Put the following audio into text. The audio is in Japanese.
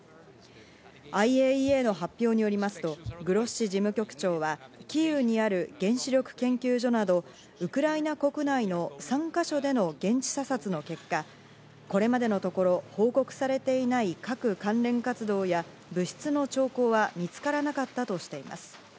ＩＡＥＡの発表によりますとグロッシ事務局長は、キーウにある原子力研究所などウクライナ国内の３か所での現地査察の結果、これまでのところ報告されていない核関連活動や、物質の兆候は見つからなかったとしています。